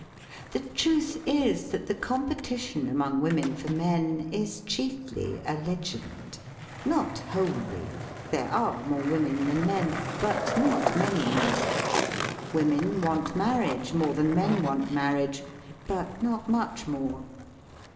The truth is that the competition among women for men is chiefly a legend — not wholly. There are more women than men, but not many more. Women want marriage more than men want mar riage, but not much more.